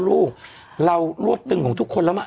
แต่หนูจะเอากับน้องเขามาแต่ว่า